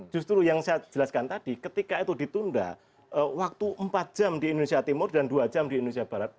justru yang saya jelaskan tadi ketika itu ditunda waktu empat jam di indonesia timur dan dua jam di indonesia barat